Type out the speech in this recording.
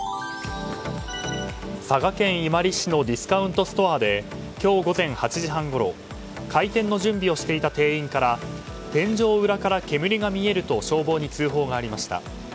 佐賀県伊万里市のディスカウントストアで今日午前８時半ごろ開店の準備をしていた店員から天井裏から煙が見えると消防に通報がありました。